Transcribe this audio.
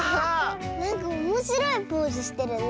なんかおもしろいポーズしてるね。